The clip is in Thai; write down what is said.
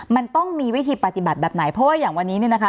มันต้องมีวิธีปฏิบัติแบบไหนเพราะว่าอย่างวันนี้เนี่ยนะคะ